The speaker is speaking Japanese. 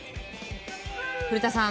古田さん